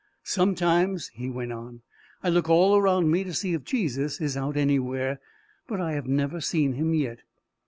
"Sometimes," he went on, "I look all around me to see if Jesus is out anywhere, but I have never seen him yet!"